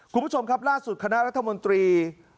คุณผู้ชมครับล่าสุดคณะรัฐมนตรี